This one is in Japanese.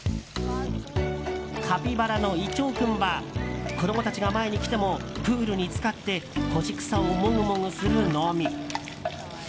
カピバラのイチョウ君は子供たちが前に来てもプールに浸かって干し草をもぐもぐするのみ。